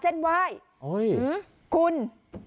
หญิงบอกว่าจะเป็นพี่ปวกหญิงบอกว่าจะเป็นพี่ปวก